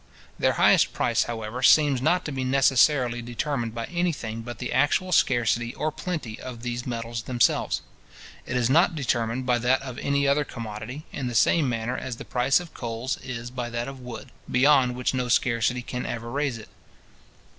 Their highest price, however, seems not to be necessarily determined by any thing but the actual scarcity or plenty of these metals themselves. It is not determined by that of any other commodity, in the same manner as the price of coals is by that of wood, beyond which no scarcity can ever raise it.